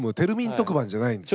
特番じゃないんです。